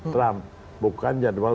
trump bukan jadwal